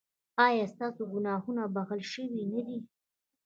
ایا ستاسو ګناهونه بښل شوي نه دي؟